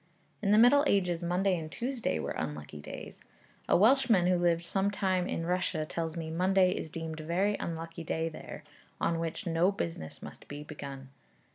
In the Middle Ages Monday and Tuesday were unlucky days. A Welshman who lived some time in Russia, tells me Monday is deemed a very unlucky day there, on which no business must be begun.